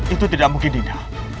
itu tidak mungkin dinda